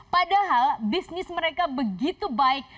padahal bisnis mereka begitu baik